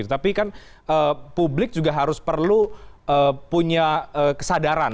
tapi kan publik juga harus perlu punya kesadaran